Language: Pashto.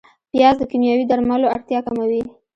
پیاز د کیمیاوي درملو اړتیا کموي